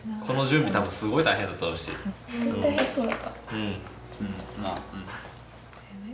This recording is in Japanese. ほんと大変そうだった。